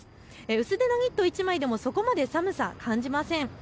薄手のニットでもそこまで寒さ感じません。